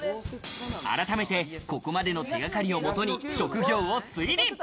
改めて、ここまでの手掛かりをもとに職業を推理。